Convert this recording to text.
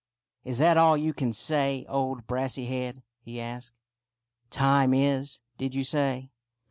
" Is that all you can say, old Brassy head ?" he asked. "' Time is,' did you say